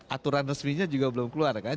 aturan resminya juga belum keluar kan